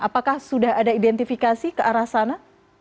apakah sudah ada identifikasi ke arah sana